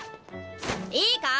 いいか？